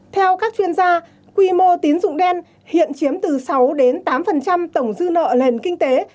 theo các chuyên gia quy mô tín dụng đen hiện chiếm từ sáu đến tám tổng dư nợ nền kinh tế